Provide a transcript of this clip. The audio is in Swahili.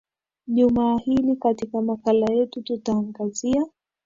juma hili katika makala yetu tutaangazia